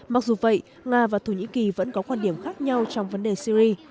mặc dù vậy nga và thổ nhĩ kỳ vẫn có quan điểm khác nhau trong vấn đề syri